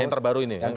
yang terbaru ini ya